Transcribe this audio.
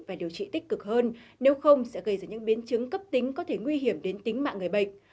và điều trị tích cực hơn nếu không sẽ gây ra những biến chứng cấp tính có thể nguy hiểm đến tính mạng người bệnh